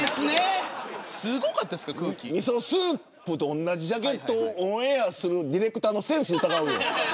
みそスープとおんなじジャケットをオンエアするディレクターのセンスを疑う。